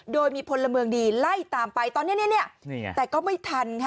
โดยมีพลเมืองดีไล่ตามไปตอนนี้เนี่ยแต่ก็ไม่ทันค่ะ